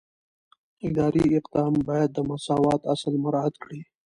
اداري اقدام باید د مساوات اصل مراعات کړي.